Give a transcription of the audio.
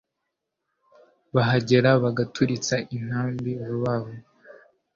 bahagera bagaturitsa intambi vuba vuba